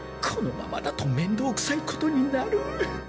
このままだとめんどうくさいことになる。